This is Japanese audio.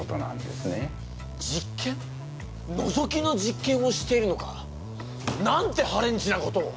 のぞきの実験をしているのか？なんてはれんちなことを！